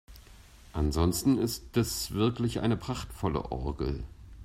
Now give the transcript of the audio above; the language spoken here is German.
Ansonsten ist es wirklich eine prachtvolle Orgel.